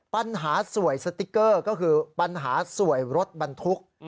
ปัญหาสวยสติ๊กเกอร์ก็คือปัญหาสวยรถบรรทุก